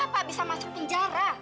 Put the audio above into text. bapak bisa masuk penjara